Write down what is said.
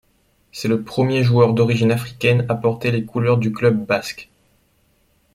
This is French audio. C'est le premier joueur d'origine africaine à porter les couleurs du club basque.